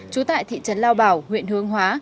chú tại thị trấn lao bảo huyện hương hóa